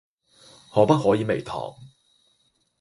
可不可以微糖